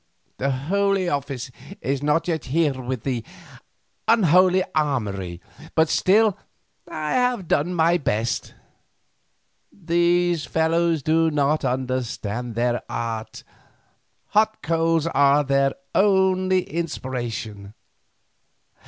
the Holy Office is not yet here with its unholy armoury, but still I have done my best. These fellows do not understand their art: hot coals are their only inspiration.